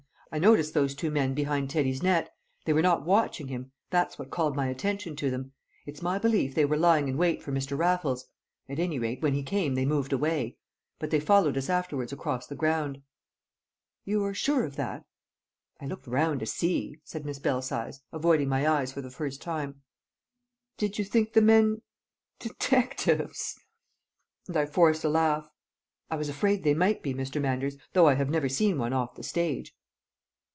I noticed those two men behind Teddy's net. They were not watching him; that called my attention to them. It's my belief they were lying in wait for Mr. Raffles; at any rate, when he came they moved away. But they followed us afterwards across the ground." "You are sure of that?" "I looked round to see," said Miss Belsize, avoiding my eyes for the first time. "Did you think the men detectives?" And I forced a laugh. "I was afraid they might be, Mr. Manders, though I have never seen one off the stage."